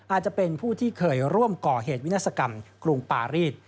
อาจจะเป็นผู้ที่เคยร่วมก่อเหตุวินาศกรรมกรุงปารีส